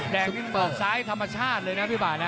แด่งต้นซ้ายธรรมชาติเลยนะพี่บ่า